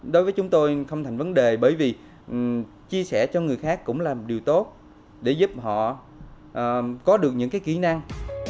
đối với chúng tôi không thành vấn đề bởi vì chia sẻ cho người khác cũng là một điều tốt để giúp họ có được những kỹ năng